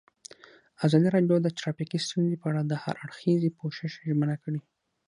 ازادي راډیو د ټرافیکي ستونزې په اړه د هر اړخیز پوښښ ژمنه کړې.